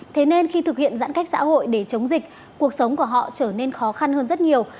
thế nên khi thực hiện giãn cách xã hội để chống dịch cuộc sống của họ trở nên khó khăn hơn rất nhiều